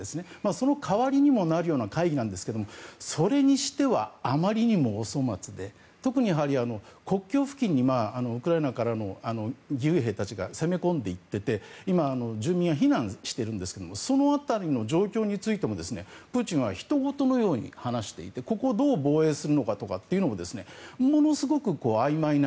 その代わりにもなるような会議なんですけれどもそれにしてはあまりにもお粗末で特に国境付近にウクライナからの義勇兵たちが攻め込んでいっていて今、住民は避難しているんですがその辺りの状況についてもプーチンは、ひとごとのように話していてここをどう防衛するのかをものすごくあいまいな。